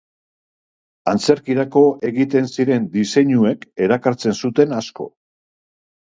Antzerkirako egiten ziren diseinuek erakartzen zuten asko.